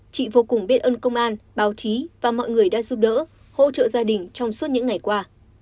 chị vô cùng biết ơn công an báo chí và mọi người đã giúp đỡ hỗ trợ gia đình trong suốt những ngày qua